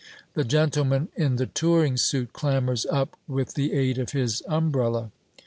The gentleman in the touring suit clambers up with the aid of his umbrella.